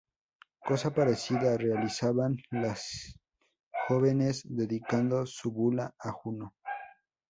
Cosa parecida realizaban las jóvenes dedicando su bula a Juno.